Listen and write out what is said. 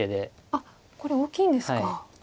あっこれ大きいんですか。